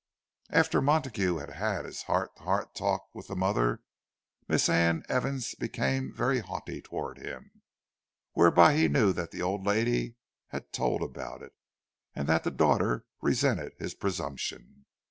After Montague had had his heart to heart talk with the mother, Miss Anne Evans became very haughty toward him; whereby he knew that the old lady had told about it, and that the daughter resented his presumption.